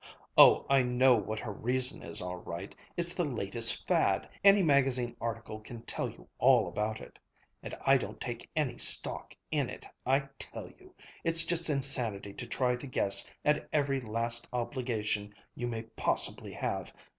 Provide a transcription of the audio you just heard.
"Oh, I know what her reason is, all right. It's the latest fad. Any magazine article can tell you all about it. And I don't take any stock in it, I tell you. It's just insanity to try to guess at every last obligation you may possibly have!